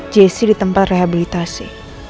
jessi di tempat rehabilitasi